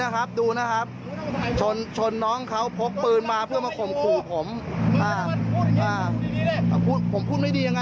ขับรถุรุกเป็นใส่อัตราการปืนหอบให้ฟูวิน